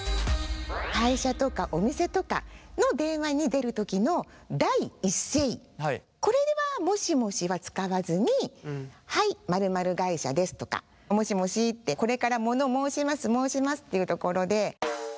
会社とかお店とかの電話に出る時の第一声これは「もしもし」は使わずに「はい○○会社です」とか「もしもし」ってこれからもの申します申しますっていうところで。